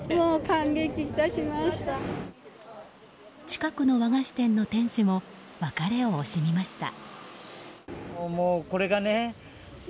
近くの和菓子店の店主も別れを惜しみました。